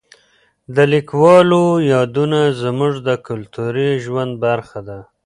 د لیکوالو یادونه زموږ د کلتوري ژوند برخه ده.